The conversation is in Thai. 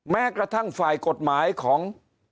แม้กระทั่งฝ่ายกฎหมายของ